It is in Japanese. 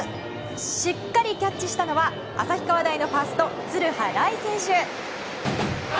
しっかりキャッチしたのは旭川大のファースト鶴羽礼選手。